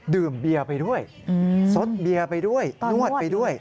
ดื่มเบียร์ไปด้วยซดเบียร์ไปด้วยนวดไปด้วย